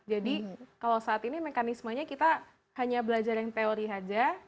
jadi kalau saat ini mekanismenya kita hanya belajar yang teori saja